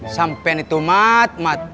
sampaian itu mat